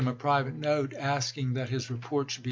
a private note, asking that his report should be "493!